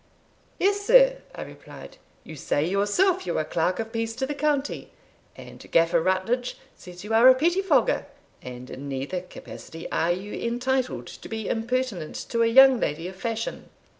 "Yes, sir," I replied; "you say yourself you are clerk of peace to the county; and Gaffer Rutledge says you are a pettifogger; and in neither capacity are you entitled to be impertinent to a young lady of fashion."